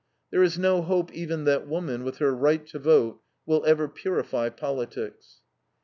There is no hope even that woman, with her right to vote, will ever purify politics.